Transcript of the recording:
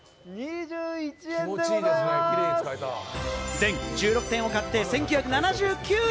全１６点を買って１９７９円。